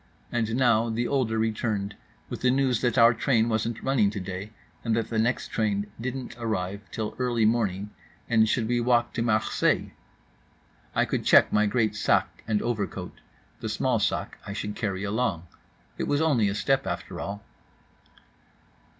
And now the older returned with the news that our train wasn't running today, and that the next train didn't arrive till early morning and should we walk to Marseilles? I could check my great sac and overcoat. The small sac I should carry along—it was only a step, after all.